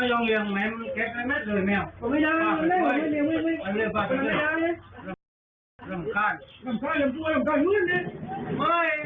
เออนี่มันเก็บไว้เม็ดเลยเดี๋ยว